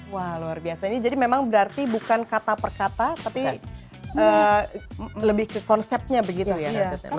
wah luar biasa ini jadi memang berarti bukan kata per kata tapi lebih ke konsepnya begitu ya